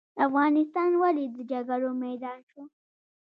افغانستان ولې د جګړو میدان شو؟